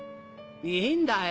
いいんだよ！